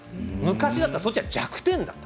昔だったら、そっちは逆転だった。